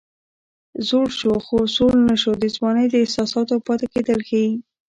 زوړ شو خو سوړ نه شو د ځوانۍ د احساساتو پاتې کېدل ښيي